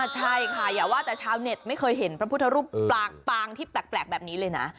ใช่ค่ะอย่าว่าแต่ชาวเน็ตไม่เคยเห็นพระพุทธรูปปางที่แปลกแบบนี้เลยนะ